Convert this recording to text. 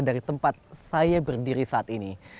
dari tempat saya berdiri saat ini